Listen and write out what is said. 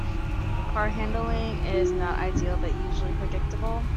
Car handling is not ideal, but usually predictable.